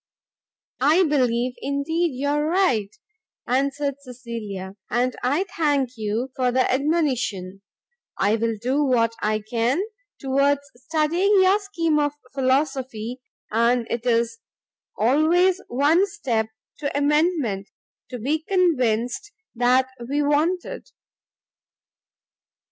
"I believe, indeed, you are right," answered Cecilia, "and I thank you for the admonition; I will do what I can towards studying your scheme of philosophy, and it is always one step to amendment, to be convinced that we want it."